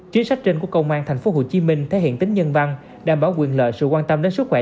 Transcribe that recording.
chính sách trên của công an tp hcm thể hiện tính nhân văn đảm bảo quyền lợi sự quan tâm đến sức khỏe